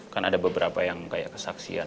kan ada beberapa yang kayak kesaksian